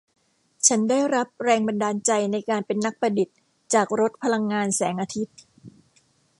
ฉันได้รับแรงบันดาลใจในการเป็นนักประดิษฐ์จากรถพลังงานแสงอาทิตย์